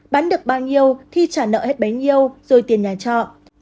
bán được bao nhiêu thì trả nợ hết bấy nhiêu rồi tiền nhà trọ